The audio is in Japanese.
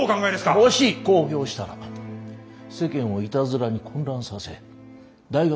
もし公表したら世間をいたずらに混乱させ大学